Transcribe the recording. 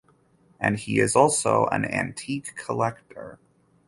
And he is also an antique collector.